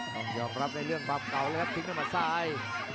ต้องยอมรับในเรื่องความเก่าเลยครับทิ้งด้วยมัดซ้าย